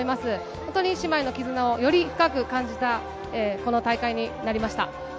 本当に姉妹の絆をより深く感じたこの大会になりました。